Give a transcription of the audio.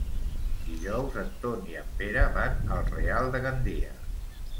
Dijous en Ton i en Pere van al Real de Gandia.